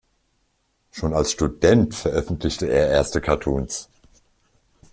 Schon als Student veröffentlichte er erste Cartoons.